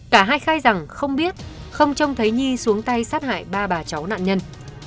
cả hai khai rằng không biết không trông thấy nhi xuống tay sát hại ba bà cháu nạn nhân